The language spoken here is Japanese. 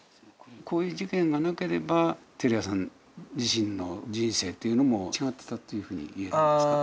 こういう事件がなければ照屋さん自身の人生というのも違ってたというふうにいえるんですか？